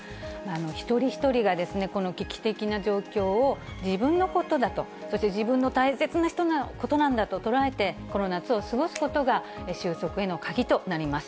一人一人がこの危機的な状況を、自分のことだと、そして自分の大切な人のことなんだと捉えて、この夏を過ごすことが、収束への鍵となります。